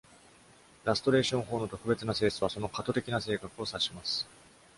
ラストレーション法の「特別な」性質は、その過渡的な性格を指します。